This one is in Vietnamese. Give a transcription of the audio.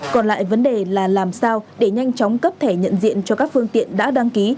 còn lại vấn đề là làm sao để nhanh chóng cấp thẻ nhận diện cho các phương tiện đã đăng ký